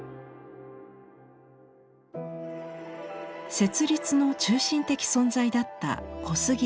設立の中心的存在だった小杉放菴。